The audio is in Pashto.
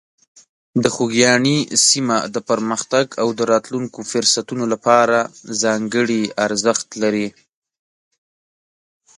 د خوږیاڼي سیمه د پرمختګ او د راتلونکو فرصتونو لپاره ځانګړې ارزښت لري.